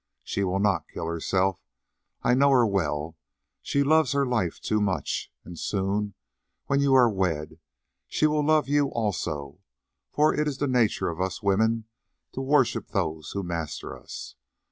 She will not kill herself, I know her well, she loves her life too much; and soon, when you are wed, she will love you also, for it is the nature of us women to worship those who master us.